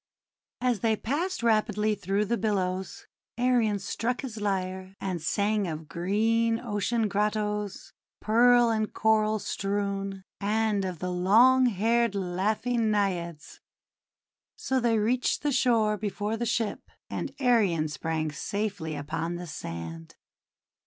As they passed rapidly through the billows, Arion struck his lyre, and sang of green ocean grottoes, pearl and coral strewn, and of the long haired laughing Naiads. So they reached the shore before the ship, and Arion sprang safely upon the sand.